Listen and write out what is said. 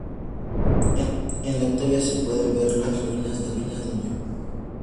En la actualidad todavía se pueden ver las ruinas del castillo.